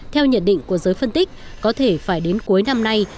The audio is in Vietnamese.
theo nhận định của giới phân tích có thể phải đến cuối năm nay